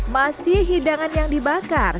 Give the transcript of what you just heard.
masih hidangan yang dibakar